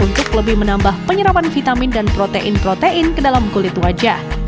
untuk lebih menambah penyerapan vitamin dan protein protein ke dalam kulit wajah